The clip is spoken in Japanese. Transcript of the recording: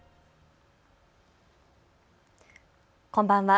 こんばんは。